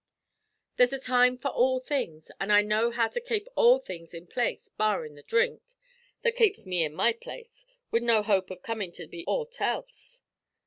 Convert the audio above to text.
There's a time for all things, an' I know how to kape all things in place barrin' the dhrink, that kapes me in my place, wid no hope av comin' to be aught else."